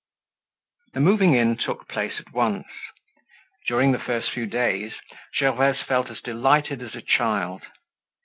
The moving in took place at once. During the first few days Gervaise felt as delighted as a child.